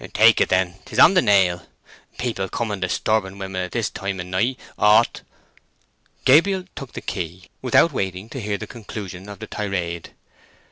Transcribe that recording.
"Take it then. 'Tis on the nail. People coming disturbing women at this time of night ought—" Gabriel took the key, without waiting to hear the conclusion of the tirade.